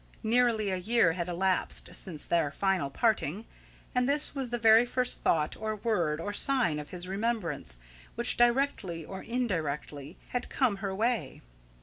Nearly a year had elapsed since their final parting, and this was the very first thought or word or sign of his remembrance, which directly or indirectly, had come her way.